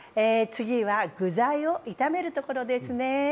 次は具材を炒めるところですね。